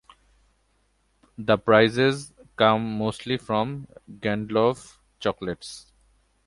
The prizes come mostly from Gandalf Chocolates.